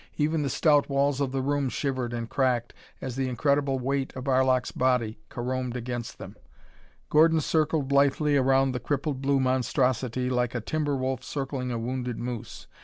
Even the stout walls of the room shivered and cracked as the incredible weight of Arlok's body caromed against them. Gordon circled lithely around the crippled blue monstrosity like a timber wolf circling a wounded moose.